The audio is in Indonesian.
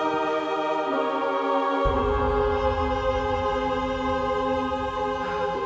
oleh karena anda betul kotor